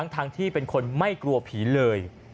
ทั้งที่เป็นคนไม่กลัวผีเลย